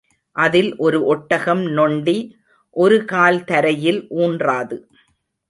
அதில் ஒரு ஒட்டகம் நொண்டி, ஒரு கால் தரையில் ஊன்றாது.